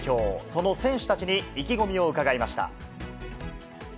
その選手たちに意気込みを伺いました。